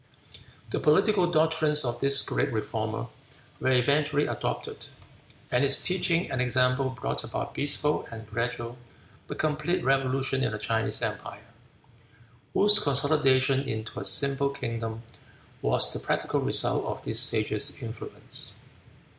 The political doctrines of this great reformer were eventually adopted, and his teaching and example brought about a peaceful and gradual, but complete revolution, in the Chinese Empire, whose consolidation into a simple kingdom was the practical result of this sage's influence.